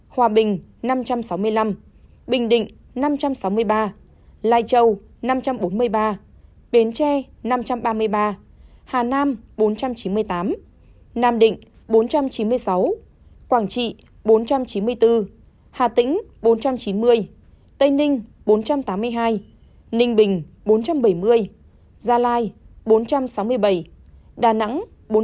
hòa bình năm trăm sáu mươi năm bình định năm trăm sáu mươi ba lai châu năm trăm bốn mươi ba đến tre năm trăm ba mươi ba hà nam bốn trăm chín mươi tám nam định bốn trăm chín mươi sáu quảng trị bốn trăm chín mươi bốn hà tĩnh bốn trăm chín mươi tây ninh bốn trăm tám mươi hai ninh bình bốn trăm bảy mươi gia lai bốn trăm sáu mươi bảy đà nẵng bốn trăm năm mươi ba